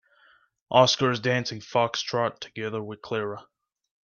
Oscar is dancing foxtrot together with Clara.